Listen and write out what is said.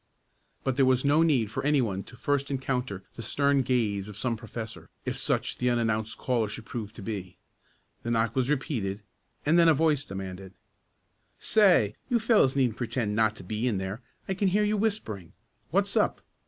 But there was no need for any one to first encounter the stern gaze of some professor, if such the unannounced caller should prove to be. The knock was repeated and then a voice demanded: "Say, you fellows needn't pretend not to be in there. I can hear you whispering. What's up?"